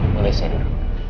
boleh saya duduk